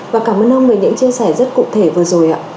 và cảm ơn ông về những chia sẻ rất cụ thể vừa rồi ạ